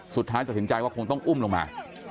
สุดท้ายจำกายว่าคงต้องอุ้มลงมา